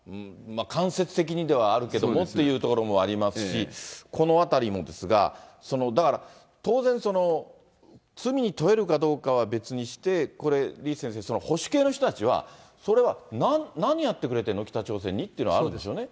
間接的にではあるけどもというところもありますし、このあたりもですが、だから当然、罪に問えるかどうかは別にして、これ、李先生、保守系の人たちは、それは何やってくれてんの、北朝鮮にっていうのはあるんですよね。